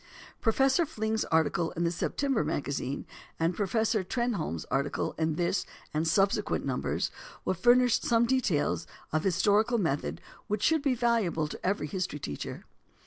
Professor Fling's article in the September MAGAZINE and Professor Trenholme's articles in this and subsequent numbers will furnish some details of historical method which should be valuable to every history teacher.